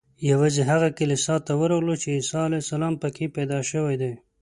یوازې هغه کلیسا ته ورغلو چې عیسی علیه السلام په کې پیدا شوی دی.